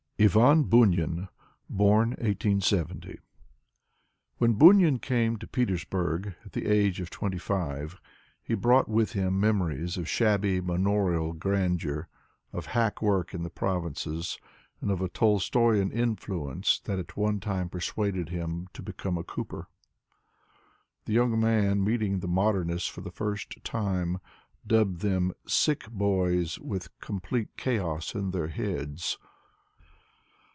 Ivan Bunin (Born 1870) When Bunin came to Petersburg at the age of twenty five he brought with him memories of shabby manorial grandeur, of hack work in the provinces, and of a Tolstoyan influence that at one time persuaded him to become a cooper. The young man, meeting the modernists for the first time, dubbed them " sick boys with complete chaos in their heads.''